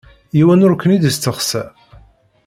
Yiwen ur ken-id-isteqsa.